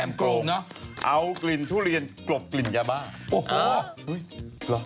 เอากลิ่นทุเรียนกรบกลิ่นยาบ้า